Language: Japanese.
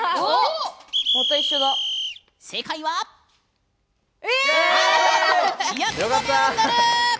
正解は、青。